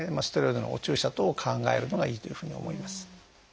ステロイドのお注射等を考えるのがいいというふうに思います。